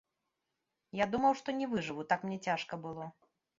Я думаў, што не выжыву, так мне цяжка было.